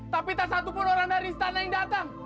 tapi tak satupun orang dari istana yang datang